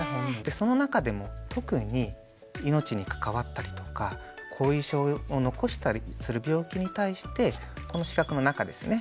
その中でも特に命に関わったりとか後遺症を残したりする病気に対してこの四角の中ですね。